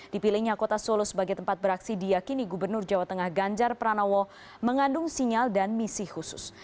dipilihnya kota solo sebagai tempat beraksi diakini gubernur jawa tengah ganjar pranowo mengandung sinyal dan misi khusus